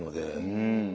うん。